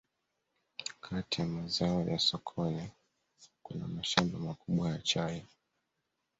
Kati ya mazao ya sokoni kuna mashamba makubwa ya chai